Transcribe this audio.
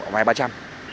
vài ba trăm